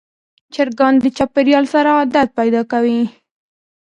چرګان د چاپېریال سره عادت پیدا کوي.